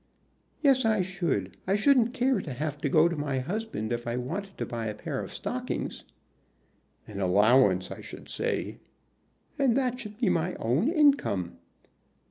"Yes, I should. I shouldn't care to have to go to my husband if I wanted to buy a pair of stockings." "An allowance, I should say." "And that should be my own income."